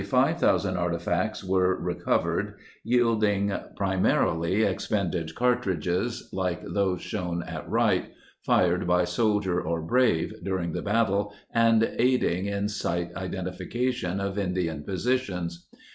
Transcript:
OOO artifacts, were recovered, yielding pri marily expended cartridges, tike those shown at right, fired by soldier or brave during the battle and aiding in site identi fication of Indian positions.